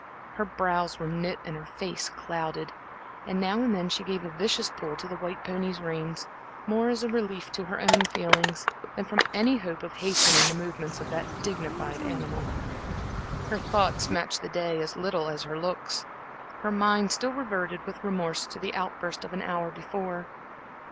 Her brows were knit and her face clouded, and now and then she gave a vicious pull to the white pony's reins more as a relief to her own feelings than from any hope of hastening the movements of that dignified animal. Her thoughts matched the day as little as her looks. Her mind still reverted with remorse to the outburst of an hour before.